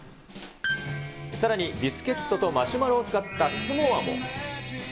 さらにビスケットとマシュマロを使ったスモアも。